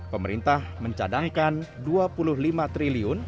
pemerintah mencadangkan rp dua puluh lima triliun